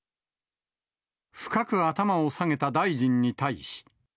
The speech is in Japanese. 深く頭を下げた大臣に対し。